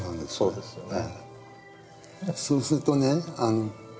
そうですよね。